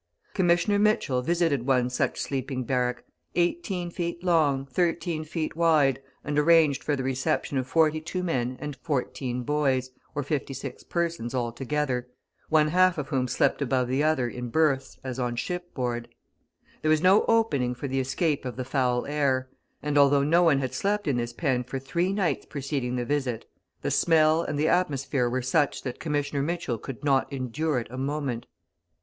Commissioner Mitchell visited one such sleeping barrack, 18 feet long, 13 feet wide, and arranged for the reception of 42 men and 14 boys, or 56 persons altogether, one half of whom slept above the other in berths as on shipboard. There was no opening for the escape of the foul air; and, although no one had slept in this pen for three nights preceding the visit, the smell and the atmosphere were such that Commissioner Mitchell could not endure it a moment.